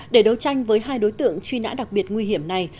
để đấu tranh với hai đối tượng truy nã đặc biệt nguy hiểm này